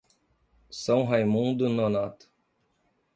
São Raimundo Nonato